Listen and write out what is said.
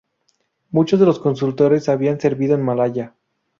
Muchos de los consultores habían servido en Malaya.